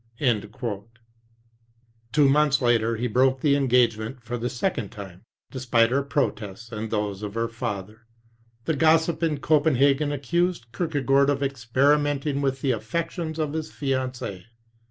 Two II months later he broke the engagement for the second time, despite her protests and those of her father. The gossip in Copenhagen accused Kierkegaard of experimenting with the affections of his fiancee.